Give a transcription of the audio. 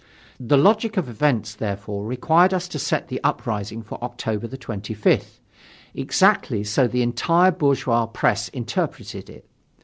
The logic of events, therefore, required us to set the uprising for October 25th. Exactly so the entire bourgeois press interpreted it.